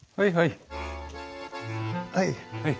はいはい！